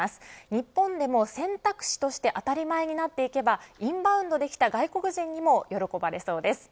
日本でも選択肢として当たり前になっていけばインバウンドで来た外国人にも喜ばれそうです。